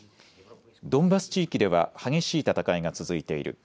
ドンバス地域では、激しい戦いが続いている。